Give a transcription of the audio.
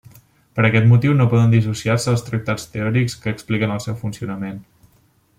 Per aquest motiu no poden dissociar-se dels tractats teòrics que expliquen el seu funcionament.